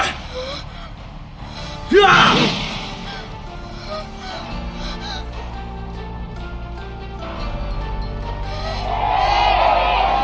aku akan mencari